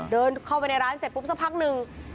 เดินเข้าไปในร้านเสร็จปุ๊บสักพักหนึ่ง